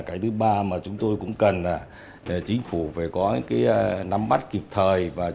cái thứ ba mà chúng tôi cũng cần là chính phủ phải có nắm mắt kịp thời